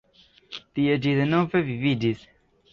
Tie ĝi denove viviĝis.